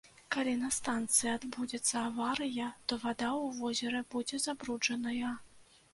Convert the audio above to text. Калі на станцыі адбудзецца аварыя, то вада ў возеры будзе забруджаная.